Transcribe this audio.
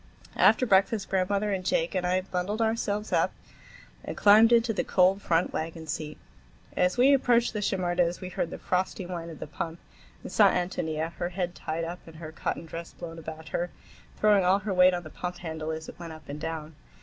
After breakfast grandmother and Jake and I bundled ourselves up and climbed into the cold front wagon seat. As we approached the Shimerdas' we heard the frosty whine of the pump and saw Ántonia, her head tied up and her cotton dress blown about her, throwing all her weight on the pump handle as it went up and down.